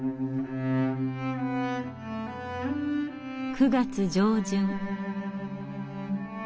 ９月上旬。